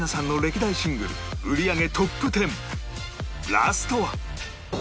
ラストは